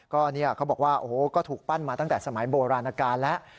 ก็เขาบอกว่าโอ้โหก็ถูกปั้นมาตั้งแต่สมัยโบราณการแล้ว